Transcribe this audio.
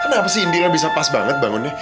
kenapa sih india bisa pas banget bangunnya